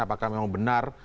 apakah memang benar